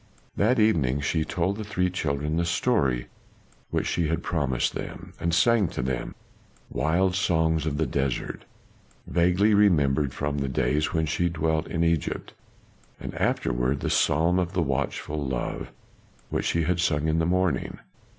That evening she told the three children the story which she had promised them; and sang to them wild songs of the desert vaguely remembered from the days when she dwelt in Egypt; and afterward the Psalm of the watchful Love, which she had sung in the morning.